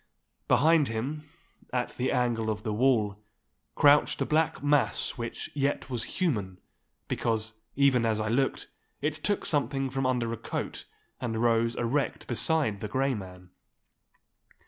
Behind him, at the angle of the wall, crouched a black mass which yet was human—because, even as I looked, it took something from under a coat, and rose erect beside the Grey Man.